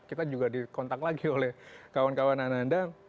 kita juga dikontak lagi oleh kawan kawan ananda